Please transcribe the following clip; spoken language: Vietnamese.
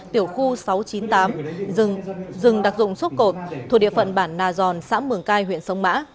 tiểu khu sáu trăm chín mươi tám rừng đặc dụng xúc cột thuộc địa phận bản nà giòn xã mường cai huyện sông mã